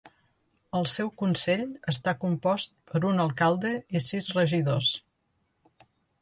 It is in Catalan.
El seu consell està compost per un alcalde i sis regidors.